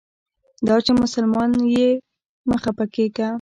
دا چې مسلمان یې مه خپه کیږه.